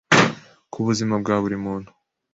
ku buzima bwa buri muntu